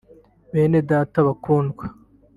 Bene Data bakundwa